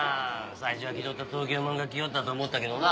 最初は気取った東京もんが来よったと思ったけどな。